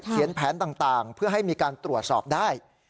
แผนต่างเพื่อให้มีการตรวจสอบได้